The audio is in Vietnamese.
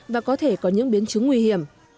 và có thể có những biến chứng nguy hiểm